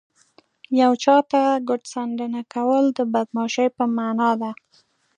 یو چاته ګوت څنډنه کول د بدماشۍ په مانا ده